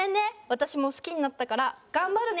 私も好きになったから頑張るね」